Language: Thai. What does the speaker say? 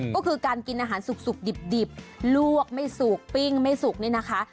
ก็คือการกินอาหารสุกดิบลวกไม่สุกปิ้งไม่สุกนี่นะคะ